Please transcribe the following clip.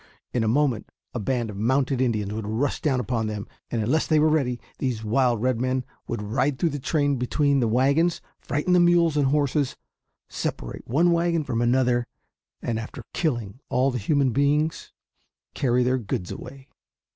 In a moment a band of mounted Indians would rush down upon them; and unless they were ready these wild red men would ride through the train between the wagons, frighten the mules and horses, separate one wagon from another, and after killing all the human beings, carry their goods away.